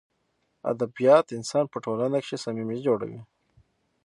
ادبیات انسان په ټولنه کښي صمیمي جوړوي.